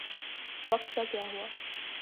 وقت کا ضیاع ہوا۔